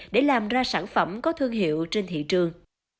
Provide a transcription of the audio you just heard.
để làm ra sản phẩm có thương hiệu trên thị trường